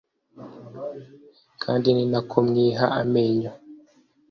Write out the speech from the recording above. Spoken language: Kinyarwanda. Kandi ni nako mwiha amenyo